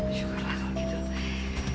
syukurlah kalau gitu